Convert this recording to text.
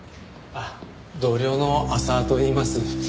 あっ同僚の浅輪といいます。